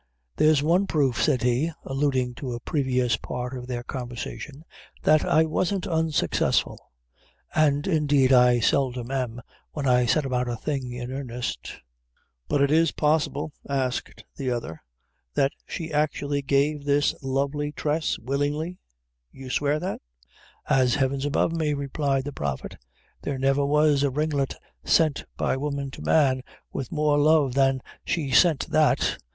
"There's one proof," said he, alluding to a previous part of their conversation, "that I wasn't unsuccessful, and, indeed, I seldom am, when I set about a thing in earnest." "But is it possible," asked the other, "that she actually gave this lovely tress willingly you swear that?" "As Heaven's above me," replied the Prophet, "there never was a ringlet sent by woman to man with more love than she sent that.